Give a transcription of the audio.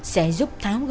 sẽ giúp tháo bệnh